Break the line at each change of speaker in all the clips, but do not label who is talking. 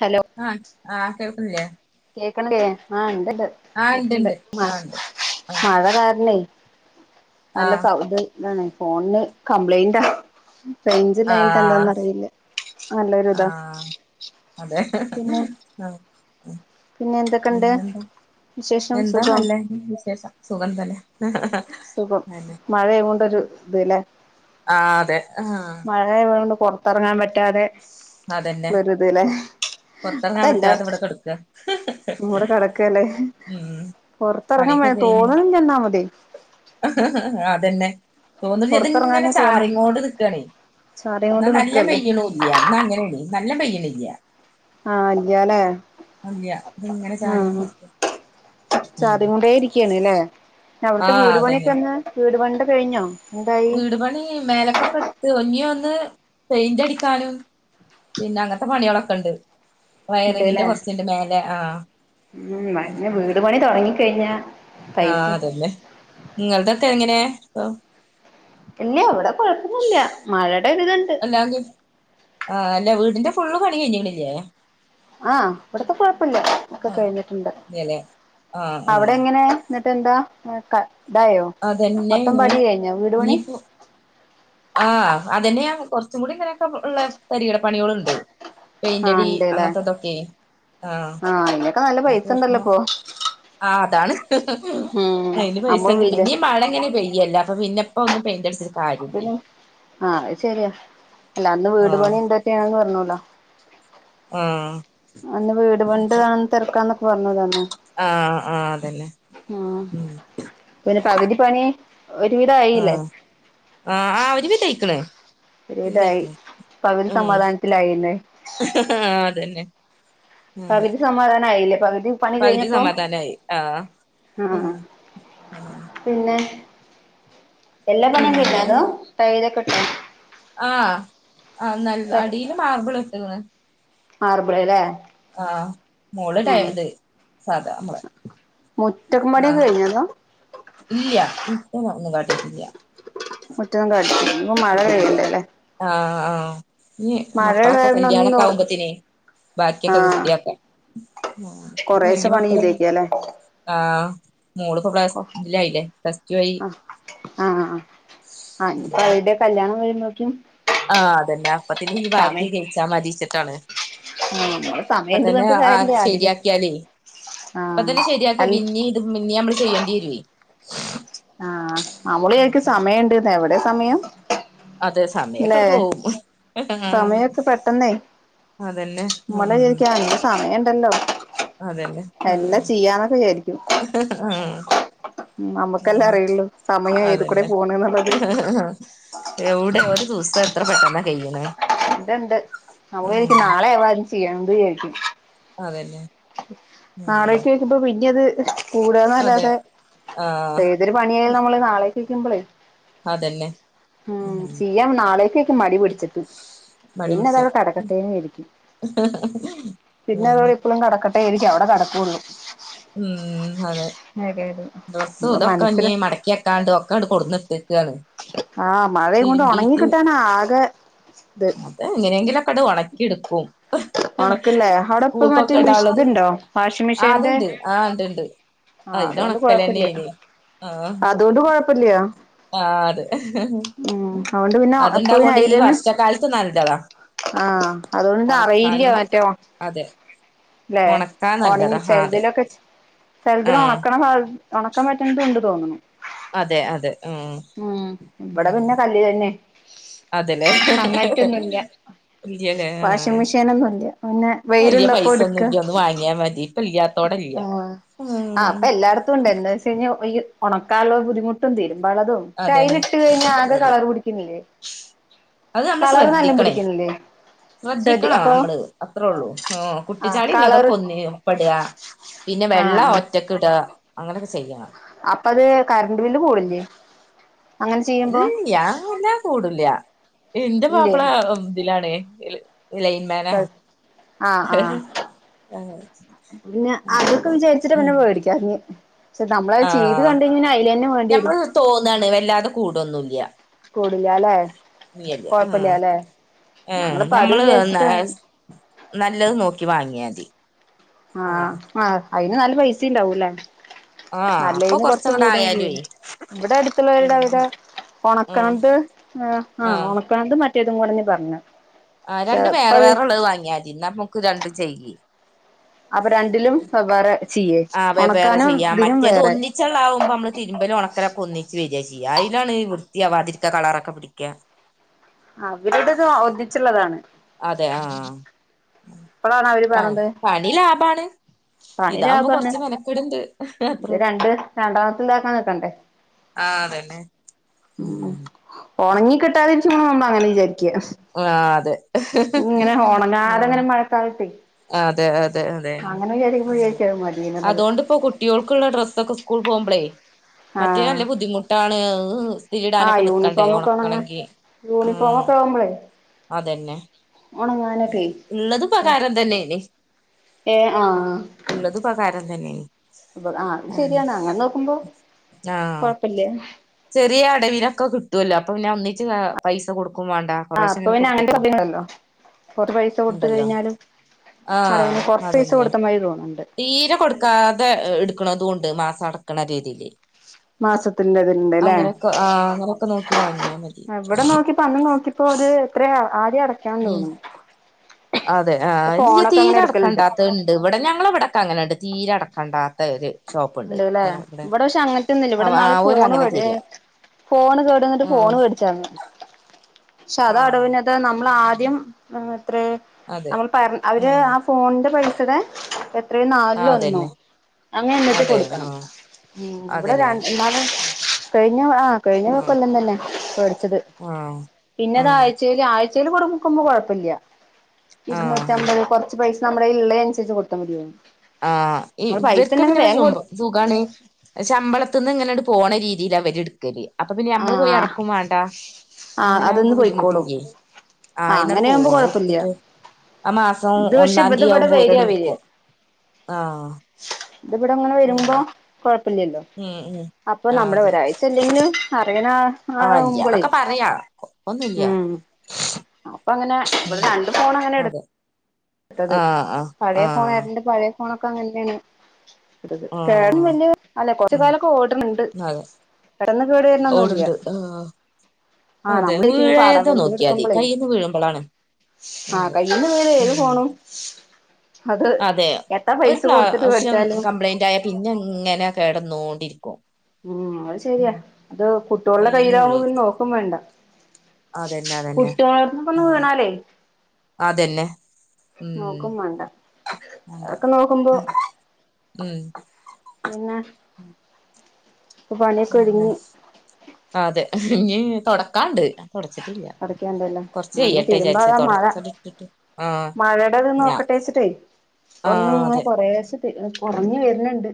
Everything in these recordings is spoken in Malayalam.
ഹലോ?
ആഹ് ആ കേൾക്ക്ൻല്ലേ
കേക്ക്ണ്ല്ലേ ആ ഇണ്ട്ണ്ട്
ആഹ് ഇണ്ട്
കേക്ക്‌ണ്ട്
ഇണ്ട് ആഹ് ഇണ്ട് ആഹ്
മഴ കാരണേ അല്ല
ആഹ്
സൗണ്ട് ഇതാണ് ഫോണിന് കംപ്ലൈന്റാ.
ആഹ്
റെയ്ഞ്ചില്ലായിൻട്ടെന്താന്നറിയില്ല നല്ലൊരിതാ
ആഹ് അതെ
പിന്നെ എന്തൊക്കെണ്ട്
പിന്നെന്താ
വിശേഷം
എന്താ
സുഖം
നല്ലെ വിശേഷം സുഖം തന്നെ
സുഖം
അന്നെ
മഴയോണ്ടൊരു ഇത് ല്ലേ
ആ അതെ ആ
മഴയായോണ്ട് പൊറത്തെറങ്ങാൻ പറ്റാതെ
അതന്നെ
ള്ളൊരുത് ലെ
പൊറത്തിറങ്ങാൻ
അതെന്താ
പറ്റാതെ ഇവിടെ കെടക്കാ
മൂട് കെടക്കാല്ലേ
ഉം
പുറത്തെറങ്ങാൻ
പണിയൊക്കെ
വരെ തോന്ന് ഇല നമതി
അതെന്നെ തോന്ന്ണ്ല്ല ഇത്ങ്ങനെ
പൊറത്തെറങ്ങാനേ തോന്നി
ചാറിങ്ങോണ്ട് നിക്കാണേ ന്നാ
ചാറിങ്ങോണ്ട്
നല്ലം
നിക്കല്ലേ
പെയ്യ്ണു യ്യ ന്ന അങ്ങനാണേ നല്ല പെയ്യണില്ല
ആഹ് ഇല്ലാല്ലേ
ഇല്ല ഇതിങ്ങനെ
ആഹ
ചാറിയോണ്ടിരിക്ക ഉം
ചാറിങ്ങൊണ്ടേരിക്ക്യാണ്ല്ലേ? അവ്ട്ത്തെ
ആഹ്
വീട്
അതന്നെ
പണിയൊക്കെന്ന് വീട് പണിന്റെ കെയ്ഞ്ഞോ
വീടുപണി മേലക്കൊക്കെ ത് ഇന്യോന്ന് പെയിന്റടിക്കാനും പിന്നെ അങ്ങൻത്തെ പണിയാളൊക്കെണ്ട് വയറിങ്ങിന്റെ
ഇണ്ട്ല്ലേ
കുറച്ച്ണ്ട് മേലെ ആഹ് അതൊക്ക്ണ്ട്
തൊടങ്ങിക്കയ്ഞ്ഞ
ആ അതെന്നെ ഇങ്ങൾതൊക്കെങ്ങനേ ഇപ്പം
ഇല്ല്യാ ഇവിടെ കൊഴപ്പൊന്നുല്ല്യ മഴേടെ ഒരുത്ണ്ട്.
ആ അല്ലകി ല വീടിന്റെ ഫുള്ള് പണി കയിഞ്ഞീക്ണ്ല്ലേ?
ആ ഇവ്ട്ത്തെ കൊയപ്പല്ല ഒക്കെ
ആഹ്
കഴിഞ്ഞിട്ട്ണ്ട്
ഇല്ലല്ലേ ആഹ് ആഹ്
അവടെങ്ങനെ എന്നിട്ട് എന്താ മ് ക ഇതായോ
അതന്നെ
മൊത്തം
ഇനി
പണി കഴിഞ്ഞോ വീട് പണി
ആ അതെന്നെ ഞാൻ കൊർച്ചും കൂടി ഇങ്ങനൊക്കെള്ള തരികിട പണ്യോളുണ്ട്
ആഹ്
പെയിന്റടി
ഇണ്ട്ല്ലേ
അങ്ങൻത്തതൊക്ക്യെ ആഹ്
അയിനൊക്കെ നല്ല
അത്
പൈസ ഉണ്ടല്ലോ
തീർക്കണം.
ഇപ്പൊ
ആ അതാണ്
ഉം
കയ്യിൽ പൈസ
നമ്മള്
ഇണ്ട്
വിചാ
പിനീം മഴങ്ങനെ പെയ്യല്ലെ അപ്പപിന്നപ്പൊന്ന് പെയിൻ്റടിച്ചി
പിന്നെ ആഹ് അത് ശരിയാ അല്ല അന്ന് വീട്
ആഹ്
പണി എന്താകൊ ആണ് പറഞ്ഞല്ലോ
ആഹ്
അന്ന് വീട് പണിന്റതാ തെരക്കാന്നൊക്കെ പറഞ്ഞൂലൊ അന്ന്
ആഹ് ആഹ് അതന്നെ ഉം
പിന്നെ പകുതിപ്പണി ഒരുവിധായില്ലേ
ആ ആ ഒരു വിധായിക്ക്ണ്
വീടായി പകുതി
ഉം
സമാധാനത്തിലായില്ലേ
ആഹ് അതെന്നെ
പകുതി സമാധാനായില്ലേ പകുതി പണി
പകുതി
കഴിഞ്ഞപ്പോ
സമാധാനായി ആഹ് ആഹ്
പിന്നെ എല്ലാ പണീം കയ്ഞ്ഞോ
പിന്നെ
അതോ ടൈലൊക്ക്ട്ടൊ
ആ ആ നൽ അടില് മാർബിൾ ഇട്ട്ക്ക്ണ്
മാർബ്ള്ലേ
ആഹ് മോള് ടൈ
ആഹ്
ഇത് സാധാ നമ്മളെ
മുറ്റം പണിക്കെ
ആഹ്
കഴിഞ്ഞൊ അതോ
ഇല്ല ഇപ്പറം ഒന്നും കാട്ടിട്ടില്ല
മുറ്റൊന്നും കാട്ടി [inaudible]
[unintelligible] ആഹ് ആഹ് ഇനി
മഴ
മക്കളൊക്കെ
കാരണം ഒന്നും
കല്യാണൊക്കെ
നോ
ആവുമ്പത്തിനേ ബാക്കിയൊക്കെ
ആഹ്
വൃത്തിയാക്ക ആഹ്
കൊറേശെ
വല്യ
പണി
മക്കളാണോ?
ചെയ്തേക്കല്ലേ
ആഹ്, മോള്പ്പ പ്ലസ് ഇലായില്ലേ പ്ലസ്ടു ആയി.
ആഹ് ആഹ് ആ ഇനിപ്പ അവരുടെ കല്യാണം വരുമ്പോക്കും
ആഹ് അതന്നെ അപ്പത്തിനി ഇനി ബാക്കി കഴിച്ചാ മതിച്ചിട്ടാണ്
ആഹ് നമ്മള് സമയം
ഇപ്പ
ഇണ്ട്
തന്നെ
പറഞ്ഞിട്ട്
ആ
കാര്യല്ല അധികം
ശരിയാക്കിയാലേ ഇപ്പ
ആഹ്
തന്നെ ശരിയാക്കിയ
അൽ
പിന്നീ ഇത് പിന്നേമ്മള് ചെയ്യേണ്ടിരുയേ
ആഹ് നമ്മളിചാരിക്കും സമയണ്ട്ന്ന് എവിടെ സമയം
അതെ
ല്ലേ
സമയൊക്കെങ്ങട് പോവും ആ
സമയൊക്കെ പെട്ടെന്നേ
അതന്നെ ഉം
നമ്മള് വിചാരിക്കും ആഹ് ഇന്ന് സമയണ്ടല്ലോ
അതന്നെ
എല്ലാം ചെയ്യാന്നൊക്കെ വിചാരിക്കും.
ആഹ്
നമ്മുക്കല്ലേ
[unintelligible]
അറിയുള്ളൂ സമയം ഏത് കൂടെ
അതന്നെ
പോണ്ന്നുള്ളത്
എവ്ടെ ഒരു ദിവസം എത്ര പെട്ടെന്നാകയ്യ്ണേ
ഇണ്ട്ണ്ട് നമ്മളിചാരിക്കും നാളെയാവാ ചെയ്യ [unintelligible] വിചാരിക്കും.
അതന്നെ ഉം
നാളേക്ക് വെക്കുമ്പോ പിന്നെഅത്
അതെ
കൂടുന്നല്ലാതെ
ആഹ്
ഏതൊരു പണിയായാലും നമ്മള് നാളെക്ക് വെക്കുമ്പോളേ
അതന്നെ ഉം
ഞാൻ നാളേക്കേക്ക് മടി പിടിച്ചിട്ട്
മടി പിടിച്ചു
പിന്നെതവടെ കെടക്കട്ടേന്നിരിക്കും, പിന്നെ
അതന്നെ
അതവടെ എപ്പളും കെടക്ക [unintelligible] അവടെ കെടക്കൊള്ളൂ.
ഉം അതെ,
അതെ
ഡ്രസ്സും
നമ്മടെ
ഇതൊക്കെ
മനസ്സില്
ഇഞ്ഞി മട ക്കിവെക്കാണ്ട് ഒക്കങ്ങട് കൊട്ന്നിട്ടക്കാണ്.
ആഹ് മഴയും കൊണ്ട് ഒണങ്ങി കിട്ടാന ആകെ ത്.
എങ്ങനെയെങ്കിലുക്കെട് ഒണക്കിടുക്കും.
ഒണക്ക്ല്ലേ അവിടെപ്പ മറ്റേ മെഷി ഇതുണ്ടോ വാഷിംഗ്
ആഹ്
മെഷീന്റെ
അതുണ്ട് ആഹ് ഉണ്ട്ണ്ട്
ആഹ്,
അയില്
അതുകൊണ്ട് കൊഴപ്പല്ല.
ഒണക്കലന്നെയാണ് ആഹ്
അതുകൊണ്ട് കൊഴപ്പല്ല്യ.
ആഹ്
അതുകൊണ്ട് പിന്നെ
അത്
അപ്പൊ പിന്നെ
അത്ണ്ടകൊണ്ട് ഈ
അയിലന്നെ
വർഷകാലത്ത് നല്ലതാ
ആഹ് അതുകൊണ്ട് അറിയില്ല
ഒണക്കാനും
മറ്റ
അതെ
ലേ
ഒണക്കാൻ
ഒണങ്ങി
നല്ലതാ
ചെല്തിലൊക്കെ ചേ
ആ അതെ
ചെല്തിൽ ഒണക്ക ആ ഉണക്കാൻ പറ്റ്ണതുംണ്ട് തോന്നുണു.
അതെ അതെ ഉം
ഉം ഇബടെ പിന്നെ കല്ലില് തന്നെ
അതല്ലേ
അങ്ങനത്തൊന്നുല്ല
ഇല്യ ലേ ആഹ്
[unintelligible] നൊന്നുല്ല്യ പിന്നെ വെയിലുള്ളപ്പോ ഇടുക്ക
പയേമതി ഇപ്പല്ലാതോടല്ല്യ
ആഹ് ആ അപ്പ എല്ലാട്ത്തും ഇണ്ട് [unintelligible] [unintelligible] ഒണക്കാല ബുദ്ധിമുട്ടും തിരുമ്പാള്ളതും പക്ഷെ
അതന്നെ
അയിലിട്ട് കഴിഞ്ഞാ ആകെ
അതെ
കളർ പിടിക്ക്ണില്ലേ.
അത് നമ്മള്
കളറ് നല്ലം
ശ്രദ്ധിക്കണേ
പിടിക്ക്ണ്ല്ലേ
ശ്രദ്ധിക്കണം നമ്മള് അത്രേള്ളൂ. ഉം കുട്ടി
ആഹ് കളറ്
ചളില്ലതൊക്കെ ഒന്നിലും പ്പട പിന്നെ
ആഹ്
വെള്ള
ആഹ്
ഒറ്റക്ക് ഇടാ അങ്ങനെക്കെ ചെയ്യണം.
അപ്പ അത് കറണ്ട് ബില്ല് കൂടുല്ലേ
ഇല്ല്യ വല്ലാതെ കൂടുല്യ എന്റെ
ഇല്ലേ
മാപ്പള ഇതിലാണേ ഇല ലൈൻമാനാ
ആഹ് ആഹ് പിന്നെ
ആഹ്
അതൊക്കെ
അപ്പൊ
വിചാരിച്ചിട്ട പിന്നെ
ഉം
മേടിക്കാഞ്ഞേ പക്ഷെ നമ്മളത് ചെയ്ത്
ആഹ്
കണ്ടയ്ഞ്ഞ പിന്നെ അയ്ലന്നെ വേണ്ടി വെരും.
ഞമ്മള് തോന്നാണ് വല്ലാതെ കൂടൊന്നും ഇല്യ
കൂടില്യാല്ലേ
ആഹ്
കൊഴപ്പല്യാല്ലേ
ഏഹ്
ഞങ്ങളിപ്പോ അത്
ഞമ്മള് ന
വിചാരിച്ചിട്ടണ്
നല്ലത് നോക്കി വാങ്ങിയാതി
ആഹ് ആഹ് അയിന് നല്ല പൈസിണ്ടാവുല്ലേ
ആഹ് അപ്പൊ
നല്ലൈന് കൊർച്ച്
കൊറച്ചങ്ങട്
കൂടേം ചെയ്യും.
ആയാലുവേ
ഇവടെ അടുത്തുള്ളവരുടെ അവടെ
പിന്നെ ഉം
ഒണക്കാണ്ട് ആഹ് ആഹ് ഒണക്കാണ്ട് മറ്റേതും കൂടിങ് പറഞ്ഞ് താ
ആഹ് രണ്ട് വേറെ വേറുള്ളത് വാങ്ങിയാ തി നമ്മക്ക് രണ്ടും ചെയ്യ
അപ്പൊ രണ്ടിലും വെവ്വേറെ ചെയ്യേ ഉണക്കാനും ഇതിനും വേറെ
ച്ചെളാവുമ്പോ മ്മള് തിര്മ്പലും ഒണക്കെ ലൊക്കൊന്നിച്ച് വര ചെയ്യ അയ്ലാണ് വൃത്തിയാവാതിരിക്ക കളറൊക്കെ പിടിക്ക
അവരുടത് ഒന്നിച്ചുള്ളതാണ്
അതെ ആഹ്
ഇപ്പളാണ് അവര്
പ
പറഞ്ഞത്
പണി ലാഭാണ്
പണി
ഇതാകുമ്പോ
ലാഭാണ്
കൊർച്ച് മെനക്കെട്ണ്ട്
ഇത്
അത്രെ ള്ളൂ
രണ്ട് രണ്ടാമത്തെ ഇതാക്കാൻ നിക്കണ്ടേ
ആഹ് അതന്നെ
ഉം ഒണങ്ങി കിട്ടാതെചുമ്പ നമ്മൾ അങ്ങനെ വിചാരിക്ക
ആഹ് അതെ
ഇങ്ങനെ ഒണങ്ങാതെങ്ങനെ [inaudible]
അതെ അതെ
അങ്ങനെ വിചാരിക്കുമ്പോ
അതെന്നെ
വിചാരിക്കും അത് മതീന്നുള്ളത്
അതുകൊണ്ട്പ്പോ കു കുട്ടികൾക്കുള്ള ഡ്രസ്സൊക്കെ സ്കൂൾ പോകുമ്പളേയ് മറ്റേത്
ആഹ്
നല്ല ബുദ്ധിമുട്ടാണ്
ആഹ്
തിരിയിടാനൊക്കെ നിക്കണ്ടേ
യൂണിഫോമൊക്കെ ഒണങ്ങാൻ
ഒണക്കണെങ്കി ഉം
യൂണിഫോമൊക്കെ ആവുമ്പളേ
അതന്നെ
ഒണങ്ങാനൊക്കെ
ള്ളത് ഉപകാരം തന്നെയാണെ
ഏഹ് ആഹ്
ള്ളത് ഉപകാരം തന്നേണ്
ആഹ് അത് ശരിയാണ് അങ്ങനെ നോക്കുമ്പോ കൊഴപ്പല്ല
ചെറിയ അടവിനൊക്കെ കിട്ടുവല്ലോ അപ്പൊ പിന്നെ ഒന്നിച്ച് പൈസ കൊടുക്കും വേണ്ട.
ആഹ് അപ്പൊ പിന്നെ [unintelligible] [unintelligible] കൊർച്ച് പൈസ കൊട്ത്ത്
ഇണ്ടല്ലോ
കഴിഞ്ഞാലും അറ
ആഹ്
[unintelligible] കൊർച്ചൈസ
അതന്നെ
കൊട്ത്താമതി തോന്ന്ണ്ട്
തീരെ കൊടുക്കാതെ എ എടുക്ക്ണതുണ്ട് മാസടക്ക്ണ രീതിയില്
മാസത്തിന്റെതില്ണ്ട്ല്ലേ
അങ്ങനൊക്കെ ആഹ് അങ്ങനൊക്കെ നോക്കി വാങ്ങിയാൽ മതി
പന്ന് നോക്കിപ്പോ അത് എത്ര ആ ആദ്യം അടക്കാന്ന്
ഉം
തോന്നുന്നു.
അതെ
ഇപ്പൊ
ആഹ് നി
ഫോണൊക്കെ അങ്ങനെ
തീരെ അടക്കണ്ട
എടുക്കലുണ്ട്
ഉ്ണ്ട് ഇവിടെ ഞങ്ങളവിടക്കെ അങ്ങനെണ്ട് തീരടക്കണ്ടാത്ത ഒരു ഷോപ്പുണ്ട്
ഉണ്ട്ല്ലേ
അവിടെ ഇവിടെ
ഇവടെ ക്ഷെ അങ്ങൻത്തെ ഒന്നുല്ല ഇവിടെന്നാള്
ആഹ് ഓര്
ഫോൺ
അങ്ങനെ
വടേ
തരിക
ഫോണ് കേടന്ന്ട്ട് ഫോണ്
ആഹ്
വേട്ച്ചാണ് ക്ഷെ അത
ആഹ്
അടവിനത് നമ്മൾ ആദ്യം അത്ര
അതെ
നമ്മൾ പറ അവര്
ആഹ്
ആ ഫോണ്ന്റെ പൈസടെ എത്രയോ
ആഹ്
നാലിലൊന്നോ
അതന്നെ
അങ്ങനെന്നിട്ട്
അതെ ആഹ്
ഉം ഇവടെ
അതെല്ലേ
[unintelligible] കഴിഞ്ഞ ആ
ആഹ്
കഴിഞ്ഞക്കല്ല ന്നന്നെ പഠിച്ചത്
ആഹ്
പിന്നെതഴ
ആഹ്
ചല് ആഴ്ചല് കൊടുക്കുമ്പോ കൊഴപ്പല്ല.
ആഹ്
ഇരുന്നൂറ്റമ്പത് കൊ പൈസ മ്മടെ ഇള്ളയ്ൻ അൻസരിച്ച് കൊടുത്താ മതിയോ?
ആഹ്, ഈ
നമ്മള് പൈസ
വെര്ക്ക്
ഉണ്ടെങ്കി
പിന്നെ,
വേഗം കൊടു
[unintelligible] സുഖാണ് ശമ്പളത്ത ക്ക് ന്ന് ങ്ങനെ ആണ്ട് പോണ രീതിയിലാ വര് ട്ക്കല്. അപ്പൊ, പിന്നെ നമ്മള് പോയി
ആഹ്
അടക്കും വാണ്ടാ.
ആഹ്
അങ്ങനെ ആകുമ്പോ
അതൊന്ന് പോയിക്കോളും
ബുദ്ധിമുട്ടില്ലേ ആഹ് അയ്ന്നങ്
അങ്ങനെയാകുമ്പോ
പോവും
കൊഴപ്പില്ല
അതെട്ത്തിട്ട് ആ മാസം
ഇത് പക്ഷെ
ഒന്നാം
ഇത്
തീ
ഇവിടെ
ആവുമ്പോ ഓലട്
വരിയാ വരിക
എടുക്കും ആഹ്
ഇത് ഇവടങ്ങനെ വെരുമ്പോ
അതന്നെ
കൊഴപ്പല്ലല്ലോ
ഉം ഉം
അപ്പൊ
ആഹ്
നമ്മടെ
അതെ
ഒരാഴ്ച ഇല്ലെലും അറിയണ
ആഹ്
ആവുമ്പളയ്
ഇല്ല്യാന്നൊക്കെ പറയാ കൊഴപ്പൊന്നുല്ല്യ
ഉം. അപ്പൊ അങ്ങനെ ഇവടെ
ഉം
രണ്ട് ഫോണങ്ങനെ എടു
അതെ
ത്തത്.
ആഹ് ആഹ്
പഴയ ഫോൺ
ആഹ്
[unintelligible] പഴയ ഫോണൊക്കെ അങ്ങനെയാണ്.
ആഹ്
[unintelligible] അല്ല കൊർച്ച്
ഉം
കാലൊക്കെ ഓട്ണ് ണ്ട്
അതെ
പെടെന്ന് കേട് വര്‌നൊന്നും ഇല്ല്യ.
ഓടുണ്ട് ആഹ്
ആഹ്
അതെ
നമ്മ [unintelligible] പാട
വീഴാതെ
[unintelligible]
നോക്കിയാതി
എടുക്കുമ്പളേ..
കയ്യിന്ന് വീഴുമ്പളാണ്
ആഹ്
അതെ
കയ്യീന്ന് വീണ ഏത്
ഉം
ഫോണും അത്
അതെ
എത്ര
ഒരു
പൈസ കൊട്ത്തിട്ട്
പ്രാവശ്യം
വേട്ച്ചാലും
കംപ്ലൈന്റ് ആയാ പിന്നെ ഇങ്ങനെ കെടന്നോണ്ടിരിക്കും
ഉം അഹ് ശരിയാ ഇത് കുട്ടിയോള്ടെ
കയ്യിന്ന്
കയ്യിലാവുമ്പോ പിന്നെ
വീഴരുത്
നോക്കും വേണ്ടാ
അതന്നെ അതന്നെ
കുട്ടിയോളെട്ത്ത്ന്ന്പ്പൊന്ന്
ആഹ്
വീണാലേ
അതന്നെ ഉം
നോക്കും വേണ്ട
മാണ്ട
അതൊക്കെ നോക്കുമ്പോ
ഉം ഉം
പിന്നെ? ഇപ്പൊ പണിയൊക്കെ
പിന്നെ
ഒരുങ്ങി
അതെ ഇഞ്ഞ് തൊടക്കാണ്ട് തൊടച്ചിട്ടില്ല
കെടക്കണ്ടല്ലോ
കൊറച്ച്
അങ്ങനെ
കയ്യെട്ടെ വിചാരിച്ച് തൊടച്ചാടെ ഇട്ടിട്ട് ആഹ്
മഴേടെത്
ഞാ
നോക്കട്ടെ വെച്ചിട്ടേ ഇപ്പൊന്ന്
ആഹ്
ഇങ്ങനെ
അതെ
കൊറേശെ തെ കൊറഞ്ഞ് വര്ന്ണ്ട്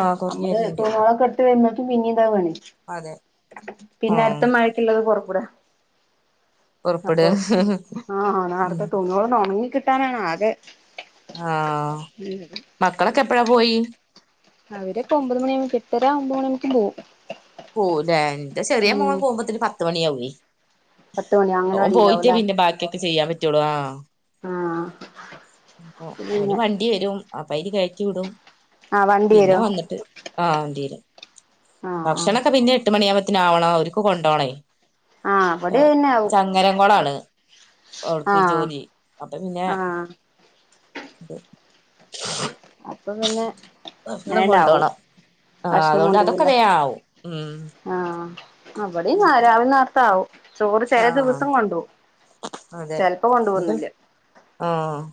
ആഹ് കൊറഞ്ഞ്
അമ്മള്
വരണണ്ട്
തുണിയോളൊക്കെ [unintelligible] പിന്നെ ഇതാവാണെ
അതെ
പിന്നെ
ആഹ്
അട്ത്ത മഴക്കിള്ളതും കൊറക്കൂല
പുറപ്പെട്
അപ്പൊ ആഹ്
ഉം
നാർത്തെ തുണിയോളൊന്ന് ഒണങ്ങി കിട്ടാനാണ് ആകെ
ആഹ് മക്കളൊക്കെ എപ്പഴാ പോയി?
അവര്പ്പൊ ഒമ്പത് മണിയാവു എട്ടരാ ഒമ്പത് മണിയാവുമ്പേക്കും പോവും
പോവുലെ ഇന്റെ ചെറിയ മോൻ
ഉം
പോവുമ്പത്തിന് പത്ത് മണിയാവേ
പത്ത് മണി
ഓൻ പോയിട്ടേ
അങ്ങനവാടിയിലാവുംല്ലേ
പിന്നെ ബാക്കിയൊക്കെ ചെയ്യാൻ പറ്റോള്ളു ആഹ്
ആഹ്
അപ്പോ ഓന്
പിന്നെ
വണ്ടി വരും അപ്പ അയില് കേറ്റി വിടും
ആഹ് വണ്ടി
പിന്നെ
വരോ
വന്നിട്ട് ആ ധീരം
ആഹ് ആഹ്
ഭക്ഷണൊക്കെ പിന്നെ ട്ട് മണിയാവുമ്പോത്തിന് ആവണോം ഓര്ക്ക് കൊണ്ടോണേ
ആഹ് ഇവിടെ
ഏഹ്
പിന്നെ ആവും
ചങ്ങരങ്കൊളാണ് ആവൾക്ക്
ആഹ്
ജോലി അപ്പൊ പിന്നെ
ആഹ് അപ്പൊ പിന്നെ
ഉം ഭക്ഷണം
അങ്ങനെണ്ടാവും
കൊണ്ടോണം ആഹ്
ഭക്ഷണം
അതോണ്ട് അതൊക്കെ
കൊണ്ടുപോവൂല്ലേ
വേ ആവും ഉം
ആഹ് ആഹ് ഇവടിം നാരാവി നേര്ത്താവും ചോറ് ചെല
ആഹ്
ദിവസം കൊണ്ടോവും
അതെ
ചെൽപ്പം
ഇന്നിട്ട്
കൊണ്ടോവൊന്നുല്ല
ആഹ്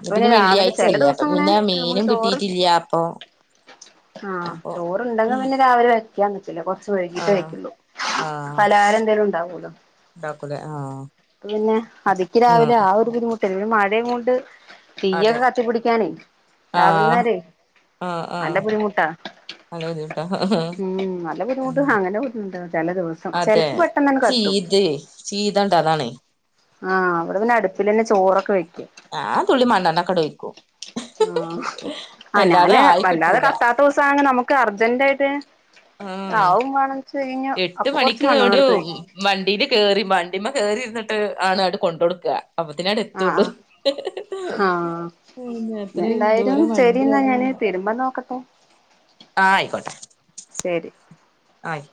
ഇ
പിന്നെ
ന്ന്പിന്നെ
രാവിലെ ചെല
വെള്ള്യാഴ്ചെല്ലേ അപ്പൊ
ദിവസം ഇങ്ങനെ
പിന്നെ
നമ്മള്
മീനും
ചോറ്
കിട്ടീട്ടില്ല്യാപ്പം
ആഹ് ചോറ്ണ്ടെങ്ക് പിന്നെ രാവിലെ വെ ക്കാൻ നിക്കില്ല കൊറച്ച് വൈകീട്ടേ
ആഹ്
വെക്കൂള്ളു പലഹാരം എന്തേലും ഉണ്ടാവൂലോ
ഉണ്ടാക്കൂലെ ആഹ്
പിന്നെ അതിക്ക്
ഉം
രാവിലെ ആ ഒരു ബുദ്ധിമുട്ട് ഇന്ന് മഴയും കൊണ്ട്
അതെ
തീയ്യൊക്കെ കത്തി പിടിക്കാനെ രാവിലെ
ആഹ്
നേരവെ
ആഹ് ആഹ്
നല്ല ബുദ്ധിമുട്ടാ
നല്ല ബുദ്ധിമുട്ടാ
ഉം നല്ല ബുദ്ധിമുട്ട് അങ്ങനെ ബുദ്ധിമുട്ട് ചെല ദിസം ചെൽപ
ചീത് ചീതാണ്ടതാണ്
ആ വടെ പിന്നെ അടുപ്പിലെന്നെ ചോറൊക്കെ വെക്ക്യാ
ഞാൻ തുള്ളി മണ്ണണ്ണക്കട്ഴ്ക്കും
ആ ആ ഞാന്
ആയി
വല്ലാതെ
കിട്ടൂല
കത്താത്തോസാണെ നമുക്ക് അർജെന്റായ്ട്ട്
ആഹ്
ആവുവാണ് എന്ന് ചോദിച്ചു കഴിഞ്ഞാൽ അപ്പൊ കൊറച്ച് മണ്ണെണ്ണ എടുത്ത് ഒഴിക്കുക.
വണ്ടീല് കേറി വണ്ടിമേ കേറിയിരുന്നിട്ട് ആണ് അങ്ങ് കൊണ്ടു കൊടുക്കുക. അപ്പത്തിനാട് എത്തള്ളൂ
ആഹ് ആഹ് എന്തായാലും
ദൂരം
ശരി
വണ്ടി
എന്നാ ഞാന് തിരുമ്പ നോക്കട്ടെ
ആ അയ്ക്കോട്ടെ
ശരി
ആയി